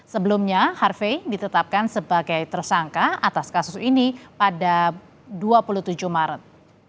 sebelumnya harvey ditetapkan sebagai tersangka atas kasus ini pada dua puluh tujuh maret